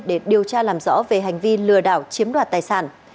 để điều tra làm rõ về hành vi lừa đảo chiếm đoạt tài sản